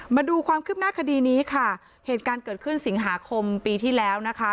มาดูความคืบหน้าคดีนี้ค่ะเหตุการณ์เกิดขึ้นสิงหาคมปีที่แล้วนะคะ